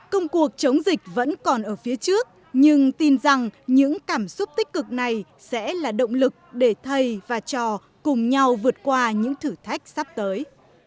công cuộc chống dịch vẫn còn ở phía trước nhưng tin rằng những cảm xúc tích cực này sẽ là động lực để thầy và trò cùng nhau vượt qua những thử thách sắp tới